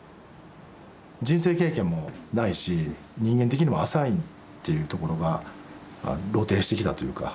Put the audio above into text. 人生経験もないし人間的にも浅いっていうところが露呈してきたというか。